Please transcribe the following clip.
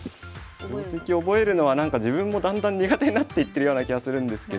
定跡覚えるのはなんか自分もだんだん苦手になっていってるような気はするんですけど。